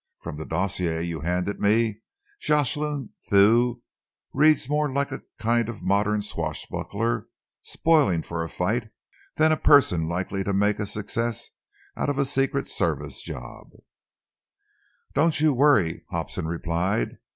From the dossier you handed me, Jocelyn Thew reads more like a kind of modern swashbuckler spoiling for a fight than a person likely to make a success of a secret service job." "Don't you worry," Hobson replied.